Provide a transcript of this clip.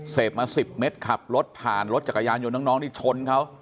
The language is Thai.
มา๑๐เม็ดขับรถผ่านรถจักรยานยนต์น้องที่ชนเขา